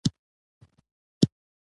له خپله ذهنه بهر کړئ.